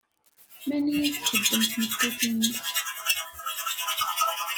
Mani ay txeddem tmeṭṭut-nnek?